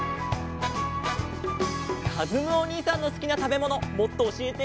かずむおにいさんのすきなたべものもっとおしえて。